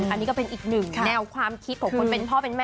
อันนี้ก็เป็นอีกหนึ่งแนวความคิดของคนเป็นพ่อเป็นแม่